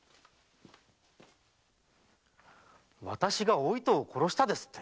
私がお糸を殺したですって？